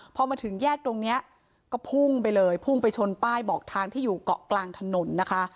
พอมาถึงแยกตรงนี้ก็พุ่งไปเลยพุ่งไปชนป้ายบอกทางที่อยู่เกาะกลางถนนนะคะ